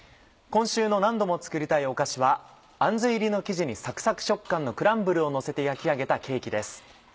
今週の「何度も作りたいお菓子」はあんず入りの生地にサクサク食感のクランブルをのせて焼き上げたケーキです。